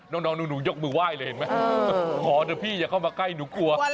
น้องหนูยกมือไหว้เลยเห็นไหมขอเดี๋ยวพี่อย่าเข้ามาใกล้หนูกลัว